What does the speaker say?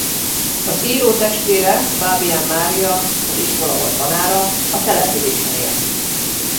Az író testvére Fábián Mária az iskola volt tanára a településen él.